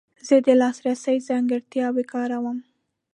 زه د لاسرسي ځانګړتیاوې کاروم.